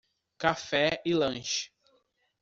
Café e lanche